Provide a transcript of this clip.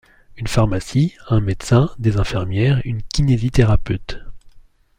Une pharmacie, un médecin, des infirmières, une kinésithérapeute.